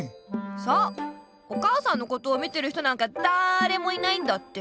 そうお母さんのことを見てる人なんかだれもいないんだって。